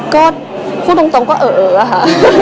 ก็พูดตรงก็เอออะค่ะ